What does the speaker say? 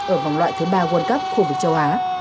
ở vòng loại thứ ba world cup khu vực châu á